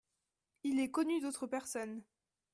Il est connu d’autres personnes.